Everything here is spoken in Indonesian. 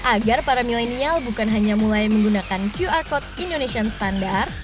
agar para milenial bukan hanya mulai menggunakan qr code indonesian standard